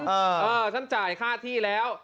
เออฉันจ่ายค่าที่แล้ว